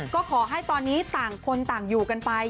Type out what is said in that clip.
ก็ขอให้ตอนนี้ต่างคนต่างอยู่กันไป